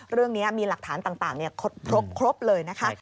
เรื่องนี้มีหลักฐานต่างครบเลยนะคะ